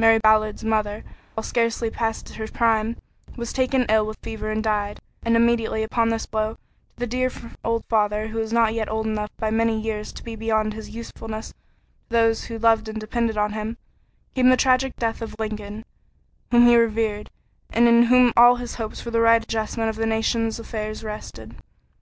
Mary Ballard's mother, while scarcely past her prime, was taken ill with fever and died, and immediately upon this blow to the dear old father who was not yet old enough by many years to be beyond his usefulness to those who loved and depended on him, came the tragic death of Lincoln, whom he revered and in whom all his hopes for the right adjustment of the nation's affairs rested.